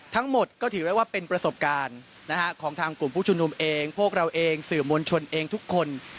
ทั้งหมดก็ถือได้ว่าเป็นประสบการณ์ของทางกลุ่มผู้ชุมนุมเองพวกเราเองสื่อมวลชนเองทุกคน